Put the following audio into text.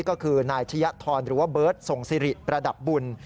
ก็คือนายชะยะทรหรือว่าเบิร์ตส่งสิริประดับบุญ